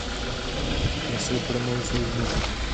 Nejsou pro mou službu.